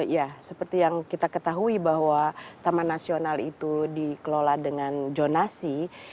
ya seperti yang kita ketahui bahwa taman nasional itu dikelola dengan zonasi